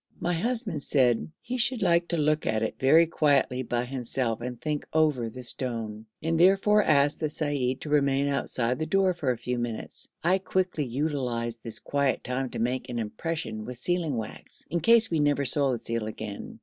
My husband said 'he should like to look at it very quietly by himself and think over the stone,' and therefore asked the seyyid to remain outside the door for a few minutes. I quickly utilised this quiet time to make an impression with sealing wax, in case we never saw the seal again.